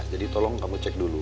jadi tolong kamu cek dulu